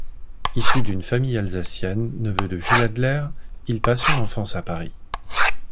Issu d'une famille alsacienne, neveu de Jules Adler, il passe son enfance à Paris.